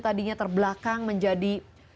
tadinya terbelakang menjadi